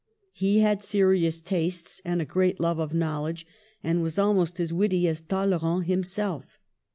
He had serious tastes and a great love of knowledge, and was almost as witty as Talleyrand himself.